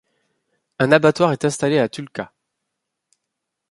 Un abattoir est installé à Tulca.